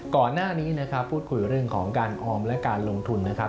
ก่อนหน้านี้นะครับพูดคุยเรื่องของการออมและการลงทุนนะครับ